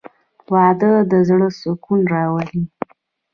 • واده د زړه سکون راولي.